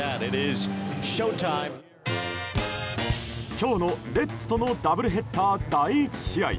今日のレッズとのダブルヘッダー第１試合。